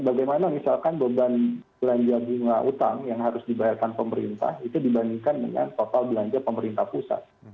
bagaimana misalkan beban belanja bunga utang yang harus dibayarkan pemerintah itu dibandingkan dengan total belanja pemerintah pusat